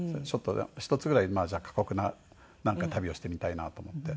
一つぐらいじゃあ過酷な旅をしてみたいなと思って。